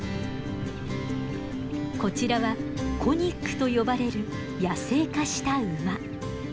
こちらはコニックと呼ばれる野生化した馬。